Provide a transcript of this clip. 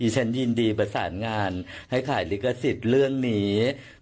ฉันยินดีประสานงานให้ขายลิขสิทธิ์เรื่องนี้